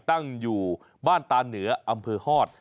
ตั้งอยู่บ้านตาเหนืออำเภอฮอต